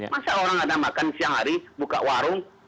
masa orang ada makan siang hari buka warung